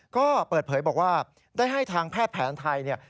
ก็เปิดเผยบอกว่าได้ให้ทางแพทย์แผนไทยเนี่ย